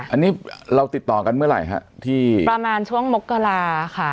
อันนี้เราติดต่อกันเมื่อไหร่ฮะที่ประมาณช่วงมกราค่ะ